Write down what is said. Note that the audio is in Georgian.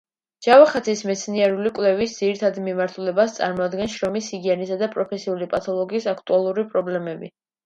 ჯავახაძის მეცნიერული კვლევის ძირითად მიმართულებას წარმოადგენს შრომის ჰიგიენისა და პროფესიული პათოლოგიის აქტუალური პრობლემები.